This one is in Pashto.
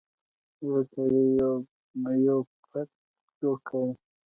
یو سړي یو بت جوړ کړ.